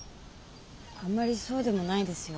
あんまりそうでもないですよ。